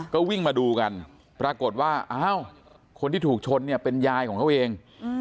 ก็วิ่งมาดูกันปรากฏว่าอ้าวคนที่ถูกชนเนี่ยเป็นยายของเขาเอง